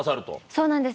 そうなんです